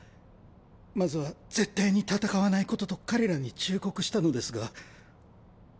まずは絶対に戦わないことと彼らに忠告したのですが。